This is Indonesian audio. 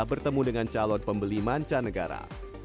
bertemu dengan calon pembeli manca negara